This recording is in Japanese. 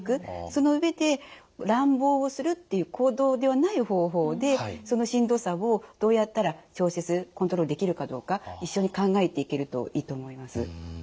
その上で乱暴をするっていう行動ではない方法でそのしんどさをどうやったら調節コントロールできるかどうか一緒に考えていけるといいと思います。